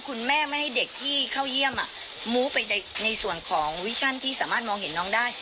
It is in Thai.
คุณแม่ไม่ให้เด็กที่เข้าเยี่ยมมู้ไปในส่วนของวิชั่นที่สามารถมองเห็นน้องได้